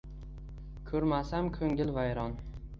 Kurmasam kungil vayron